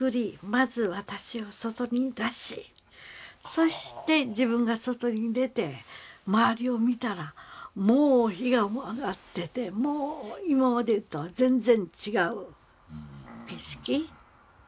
まず私を外に出しそして自分が外に出て周りを見たらもう火が上がってて今までとは全然違う景色。